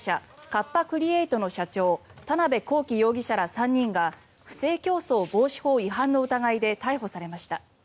カッパ・クリエイトの社長田邊公己容疑者ら３人が不正競争防止法違反の疑いで逮捕されました。